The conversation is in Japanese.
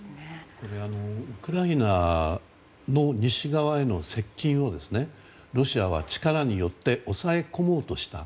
ウクライナの西側への接近をロシアは力によって抑え込もうとした。